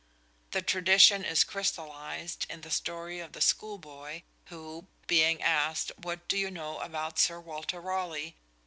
The tradition is crystallized in the story of the schoolboy who, being asked "What do you know about Sir Walter Raleigh?"